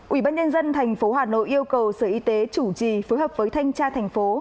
ubnd tp hà nội yêu cầu sở y tế chủ trì phối hợp với thanh tra thành phố